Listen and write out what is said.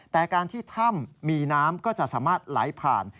แต่การที่ถ้ำมีน้ำก็จะสามารถไหลผ่าน